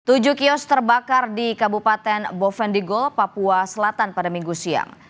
tujuh kios terbakar di kabupaten bovendigol papua selatan pada minggu siang